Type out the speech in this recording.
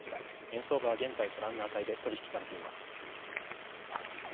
円相場はご覧の値で取引されています。